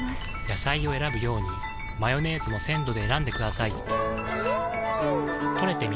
野菜を選ぶようにマヨネーズも鮮度で選んでくださいん！